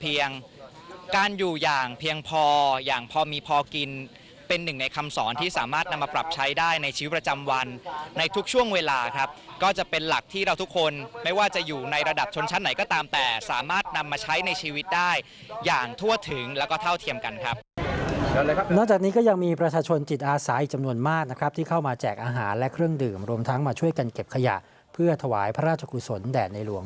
เพียงการอยู่อย่างเพียงพออย่างพอมีพอกินเป็นหนึ่งในคำศรที่สามารถนำมาปรับใช้ได้ในชีวิตประจำวันในทุกช่วงเวลาครับก็จะเป็นหลักที่เราทุกคนไม่ว่าจะอยู่ในระดับชนชั้นไหนก็ตามแต่สามารถนำมาใช้ในชีวิตได้อย่างทั่วถึงแล้วก็เท่าเทียมกันครับนอกจากนี้ก็ยังมีประชาชนจิตอาสาอีกจำน